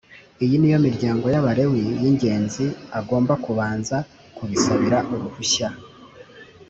Iyi ni yo miryango y Abalewi yi ingenzi agomba kubanza kubisabira uruhushya